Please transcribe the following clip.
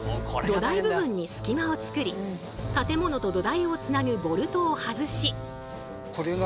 土台部分に隙間を作り建物と土台をつなぐボルトを外し。